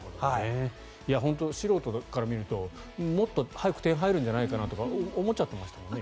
本当に素人から見るともっと早く点が入るんじゃないかなとか思っちゃってましたもんね。